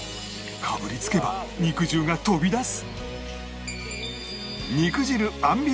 かぶりつけば肉汁が飛び出す